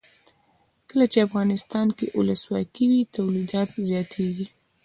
کله چې افغانستان کې ولسواکي وي تولیدات زیاتیږي.